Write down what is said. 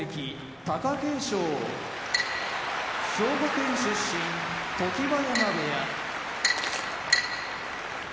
貴景勝兵庫県出身常盤山部屋